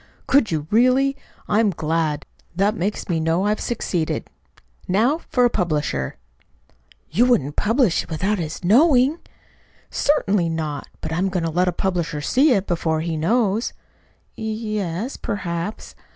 "Could you, really? I'm glad. That makes me know I've succeeded. Now for a publisher!" "You wouldn't publish it without his knowing?" "Certainly not. But I'm going to let a publisher see it, before he knows." "Y yes, perhaps."